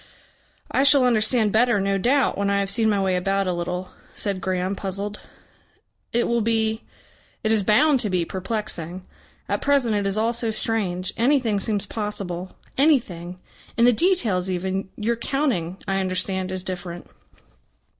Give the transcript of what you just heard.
"I shall understand better, no doubt, when I have seen my way about a little," said Graham puzzled. "It will be it is bound to be perplexing. At present it is all so strange. Anything seems possible. Anything. In the details even. Your counting, I understand, is different."